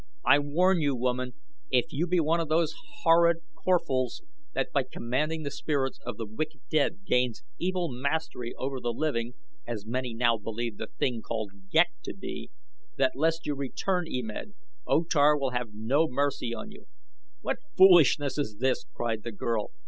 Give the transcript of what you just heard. I warn you, woman, if you be one of those horrid Corphals that by commanding the spirits of the wicked dead gains evil mastery over the living, as many now believe the thing called Ghek to be, that lest you return E Med, O Tar will have no mercy on you." "What foolishness is this?" cried the girl.